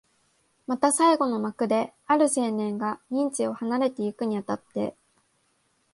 また最後の幕で、ある青年が任地を離れてゆくに当たって、